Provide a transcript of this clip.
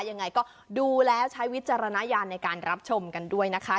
ยังไงก็ดูแล้วใช้วิจารณญาณในการรับชมกันด้วยนะคะ